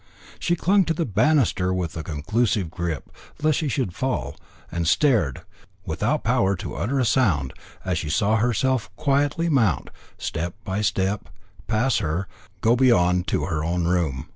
She clung to the banister, with convulsive grip, lest she should fall, and stared, without power to utter a sound, as she saw herself quietly mount, step by step, pass her, go beyond to her own room.